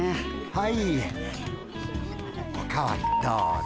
はいお代わりどうぞ。